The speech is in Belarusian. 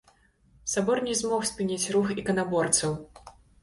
Сабор не змог спыніць рух іканаборцаў.